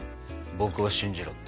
「僕を信じろ」って。